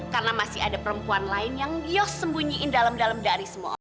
karena masih ada perempuan lain yang yos sembunyiin dalam dalam dari semua orang